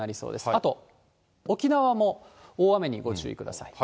あと、沖縄も大雨にご注意くださ